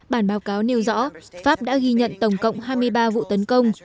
bản báo cáo nêu rõ pháp đã ghi nhận tổng cộng hai mươi ba vụ tấn công